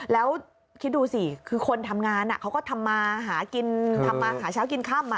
แล้วคิดดูสิคือคนทำงานเขาก็ทำมาหาเช้ากินคั่ม